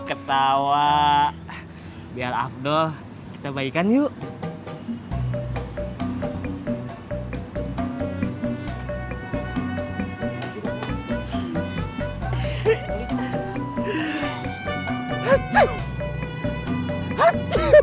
ketawa biar abdo kita baikan yuk